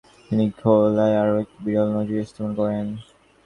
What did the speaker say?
তিনি খেলায় আরও একটি বিরল নজির স্থাপন করেন।